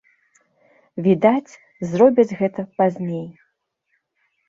Відаць, зробяць гэта пазней.